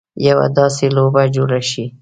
یوه داسې لوبه جوړه شي.